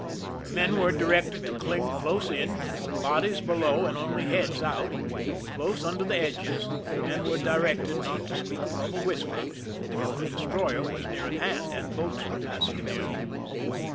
The men were directed to cling close in, bodies below and only heads out, close under the edges, and were directed not to speak above a whisper, for the destroyer was near at hand, and boats were passing near.